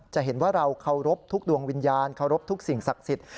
จะเห็นว่าเราเคารพทุกดวงวิญญาณเคารพทุกสิ่งศักดิ์สิทธิ